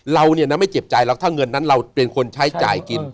เราเนี่ยนะไม่เจ็บใจหรอกถ้าเงินนั้นเราเป็นคนใช้จ่ายกิน